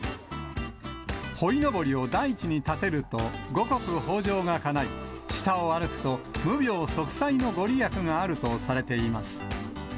ホイノボリを大地に立てると、五穀豊じょうがかない、下を歩くと、無病息災のご利益があるとされています。